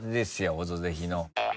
「オドぜひ」の。